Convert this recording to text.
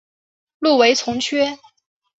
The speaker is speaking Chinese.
入围从缺。